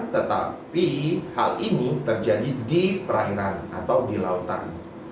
tetapi hal ini terjadi di perairan atau di lautan